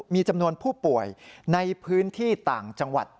มีจำนวนผู้ป่วยในพื้นที่ต่างจังหวัด